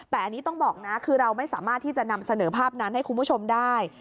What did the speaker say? แต่อันนี้ต้องบอกนะคือเราไม่สามารถที่จะนำเสนอภาพนั้นให้คุณผู้ชมได้